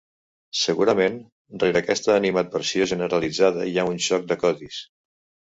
Segurament rere aquesta animadversió generalitzada hi ha un xoc de codis.